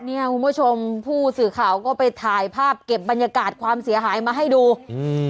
เนี้ยคุณผู้ชมผู้สื่อข่าวก็ไปถ่ายภาพเก็บบรรยากาศความเสียหายมาให้ดูอืม